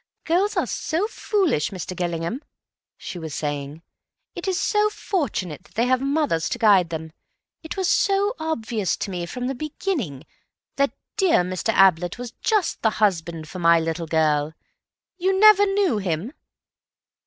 "Girls are so foolish, Mr. Gillingham," she was saying. "It is fortunate that they have mothers to guide them. It was so obvious to me from the beginning that dear Mr. Ablett was just the husband for my little girl. You never knew him?"